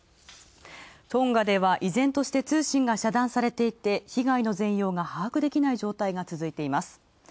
トンガでは依然として通信が遮断されていて被害の全容が把握できない状況が続いています。